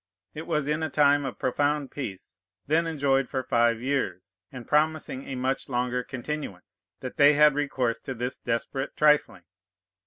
It was in a time of profound peace, then enjoyed for five years, and promising a much longer continuance, that they had recourse to this desperate trifling.